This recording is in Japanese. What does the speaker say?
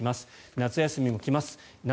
夏休みも来ます。